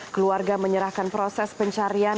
keluarga menyerahkan proses pencarian